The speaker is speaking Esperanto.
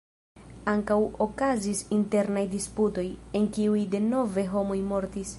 Ankaŭ okazis internaj disputoj, en kiuj denove homoj mortis.